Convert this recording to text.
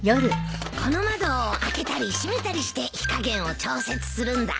この窓を開けたり閉めたりして火加減を調節するんだ。